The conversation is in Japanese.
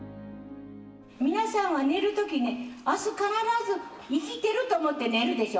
皆さんは寝るときね、あす、必ず生きてると思って寝るでしょ。